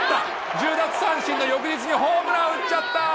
１０奪三振の翌日にホームラン打っちゃった。